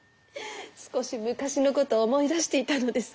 少し昔のことを思い出していたのです。